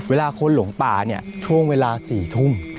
เวลาคนหลงป่าท่วงเวลาสี่ทุ่ม